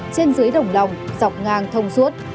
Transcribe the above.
trên dưới đồng đồng dọc ngang thông suốt